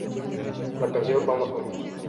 La canción "vamos juntos!